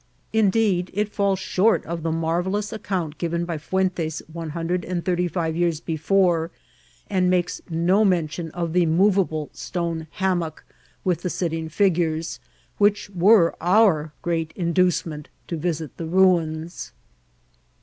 Indeed, it falls short of the marvellous account given by Fuentes one hundred and thirty five years before, and makes no mention of the moveable stone hammock, with the sit ting figures, which were our great inducement to visit the ruins.